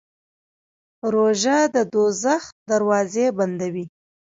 روژه د دوزخ دروازې بندوي.